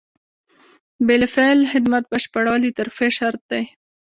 د بالفعل خدمت بشپړول د ترفیع شرط دی.